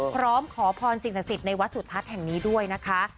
พร้อมขอพรสิ่งศักดิ์สิทธิ์ในวัดสุทัศน์แห่งนี้ด้วยนะคะ